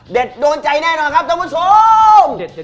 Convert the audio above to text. เด็ดโดนใจแน่นอนครับตามุชม